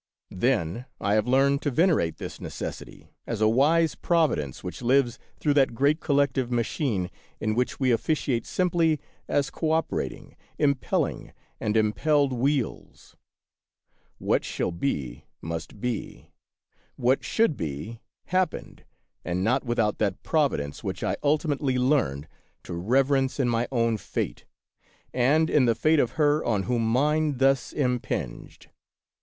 Then I have learned to venerate this Necessity as a wise Providence which lives through that great collective Machine in which we officiate simply as cooperating, im pelling, and impelled wheels. What shall be, must be ; what should be, happened, and not with 78 The Wonderful History out that Providence which I ultimately learned to reverence in my own fate and in the fate of her on whom mine thus impinged.